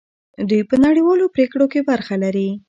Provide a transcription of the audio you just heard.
دوی په نړیوالو پریکړو کې برخه لري.